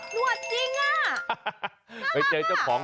หนวดจริงอะ